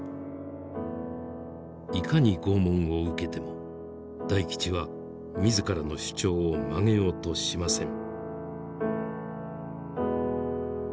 いかに拷問を受けても大吉は自らの主張を曲げようとしません。